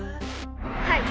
はい。